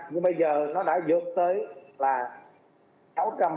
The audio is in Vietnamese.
nhưng bây giờ nó đã vượt tới là sáu trăm bảy mươi ca